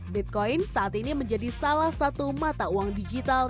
bitcoin saat ini menjadi salah satu mata uang digital